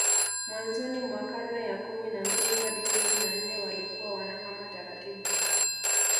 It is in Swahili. Mwanzoni mwa karne ya kumi na mbili hadi kumi na nne walikuwa wanahama taratibu